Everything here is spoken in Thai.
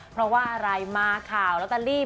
เพราะว่าอะไรมาข่าวแล้วตัลลี่